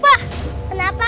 pak kenapa pak